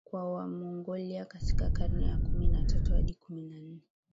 kwa Wamongolia katika karne ya kumi na tatu Hadi kumi na nne